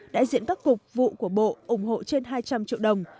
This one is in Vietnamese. đại diện các cục vụ của bộ ủng hộ trên hai trăm linh triệu đồng